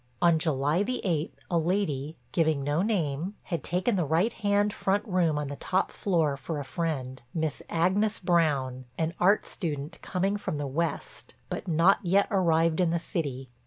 On July the eighth a lady, giving no name, had taken the right hand front room on the top floor for a friend, Miss Agnes Brown, an art student coming from the west but not yet arrived in the city.